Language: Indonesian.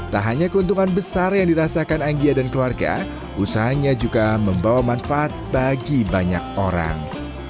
tak hanya keuntungan besar yang dirasakan anggia dan keluarga usahanya juga membawa manfaat bagi banyak orang